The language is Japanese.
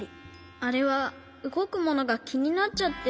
あれはうごくものがきになっちゃって。